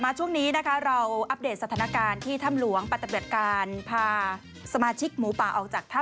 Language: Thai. ไม่หรอกเห็นมึงเพราะว่าเขานั่งอยู่กูจะเหงา